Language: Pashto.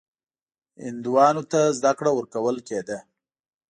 هندوانو ته زده کړه ورکول کېده.